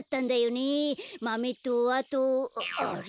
マメとあとあれ？